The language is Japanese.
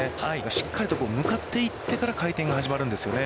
しっかりと向かっていってから回転が始まるんですよね。